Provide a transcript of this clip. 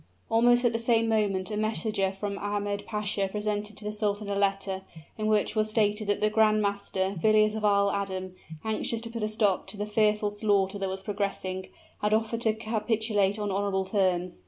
Almost at the same moment a messenger from Ahmed Pasha presented to the sultan a letter, in which was stated that the grand master, Villiers of Isle Adam, anxious to put a stop to the fearful slaughter that was progressing, had offered to capitulate on honorable terms.